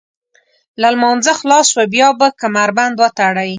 له لمانځه خلاص شوئ بیا به کمربند وتړئ.